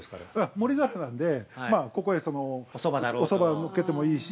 ◆盛りざるなんで、ここへおそばのっけてもいいし。